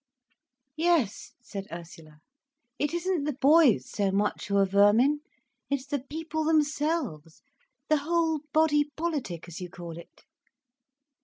"Yes," said Ursula. "It isn't the boys so much who are vermin; it's the people themselves, the whole body politic, as you call it."